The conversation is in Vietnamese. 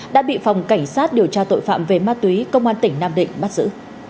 đã bị phòng cảnh sát điều tra tội phạm về ma túy công an tỉnh nam định bắt giữ